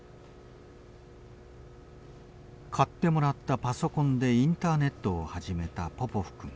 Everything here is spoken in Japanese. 買ってもらったパソコンでインターネットを始めたポポフ君。